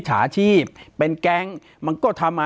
ปากกับภาคภูมิ